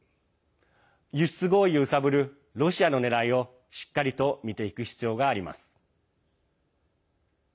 輸出合意を揺さぶるロシアのねらいをしっかりと見ていく必要があります。